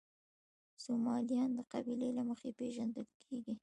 سومالیان د قبیلې له مخې پېژندل کېږي.